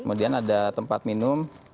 kemudian ada tempat minum